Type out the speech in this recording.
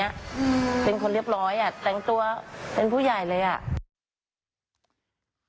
เป็นคนเรียบร้อยแต่งตัวเป็นผู้ใหญ่เลย